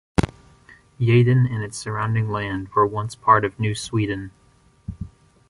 Yeadon and its surrounding land were once part of New Sweden.